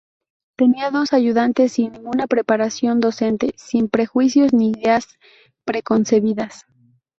Tenía dos ayudantes sin ninguna preparación docente, sin prejuicios ni ideas preconcebidas.